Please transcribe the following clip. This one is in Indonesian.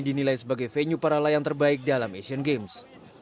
dinilai sebagai venue para layang terbaik dalam asian games